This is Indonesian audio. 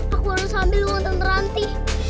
aku harus ambil uang tante ranti